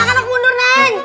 anak anak mundur nen